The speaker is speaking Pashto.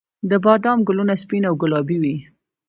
د بادام ګلونه سپین او ګلابي وي